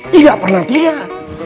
tidak pernah tidak